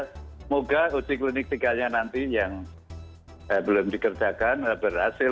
semoga uji klinik tiga nya nanti yang belum dikerjakan berhasil